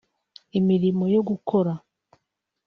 imirimo yo gukora